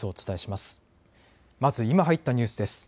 まず今入ったニュースです。